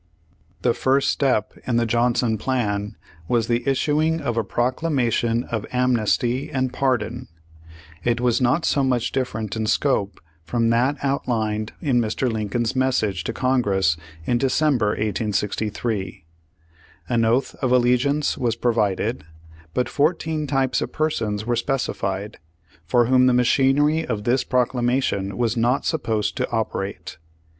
The first step in the Johnson plan was the issu ing of a "Proclamation of Amnesty and Pardon." It Vv^as not so much different in scope from that outlined in Mr. Lincoln's message to Congress in December, 1863. An oath of allegiance was pro vided, but fourteen types of persons were speci fied, for v/hom the machinery of this proclamation was not supposed to operate.